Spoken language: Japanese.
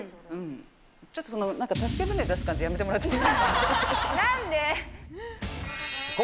ちょっとその、なんか助け舟出す感じやめてもらっていい？